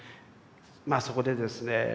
まあそこでですね